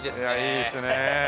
いいですねえ。